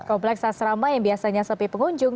kompleks asrama yang biasanya sepi pengunjung